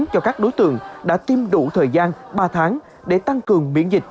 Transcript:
cho các đối tượng đã tiêm đủ thời gian ba tháng để tăng cường miễn dịch